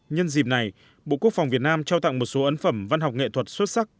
nhân dịp này bộ quốc phòng việt nam trao tặng một số ấn phẩm văn học nghệ thuật xuất sắc